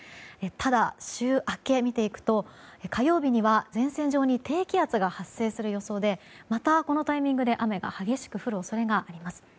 ただ、週明け見ていくと火曜日には前線上に低気圧が発生する予想でまたこのタイミングで雨が激しく降る恐れがあります。